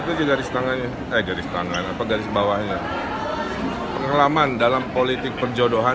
itu juga risetangannya dari tangan atau garis bawahnya pengalaman dalam politik perjodohan